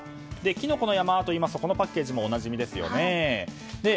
きのこの山といいますとこのパッケージもおなじみですよね。